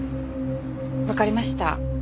わかりました。